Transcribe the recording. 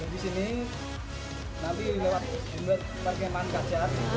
di sini nanti lewat perkembangan kaca